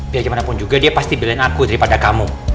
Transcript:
biar gimana pun juga dia pasti belain aku daripada kamu